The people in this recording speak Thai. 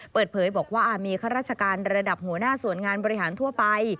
เปิดเผยบอกว่าอาจมีข้าราชการระดับหัวหน้าส่วนงานบริหารทั่วไป